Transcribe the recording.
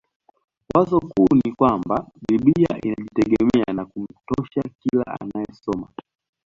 Wazo kuu ni kwamba biblia inajitegemea na kumtosha kila anayesoma